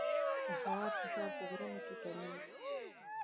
د هوا فشار په غرونو کې کمېږي.